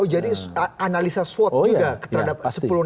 oh jadi analisa swot juga terhadap sepuluh nama itu